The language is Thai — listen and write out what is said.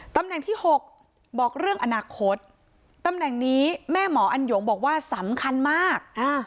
ตำแหน่งที่๖บอกเรื่องอนาคตตำแหน่งนี้แม่หมออันหยงบอกว่าสำคัญมาก